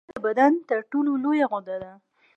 ځیګر د بدن تر ټولو لویه غده ده